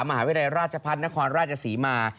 มหาวิทยาลัยราชพัฒนครราชศรีมา